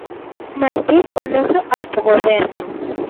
Manter o noso autogoberno.